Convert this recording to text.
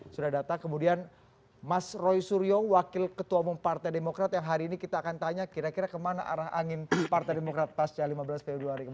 sudah datang kemudian mas roy suryo wakil ketua umum partai demokrat yang hari ini kita akan tanya kira kira kemana arah angin partai demokrat pasca lima belas februari